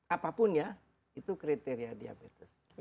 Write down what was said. apapun ya itu kriteria diabetes